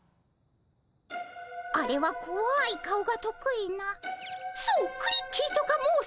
あれはこわい顔が得意なそうクリッキーとか申す子鬼。